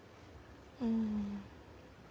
うん。